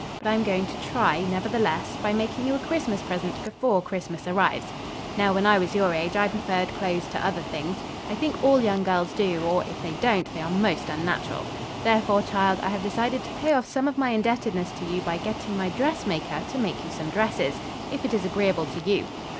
But I am going to try, nevertheless, by making you a Christmas present before Christmas arrives. Now, when I was your age, I preferred clothes to other things. I think all young girls do; or, if they don't they are most unnatural. Therefore, child, I have decided to pay off some of my indebtedness to you by getting my dressmaker to make you some dresses, if it is agreeable to you.